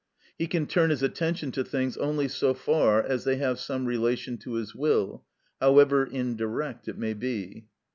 He can turn his attention to things only so far as they have some relation to his will, however indirect it may be.